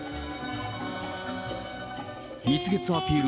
蜜月アピール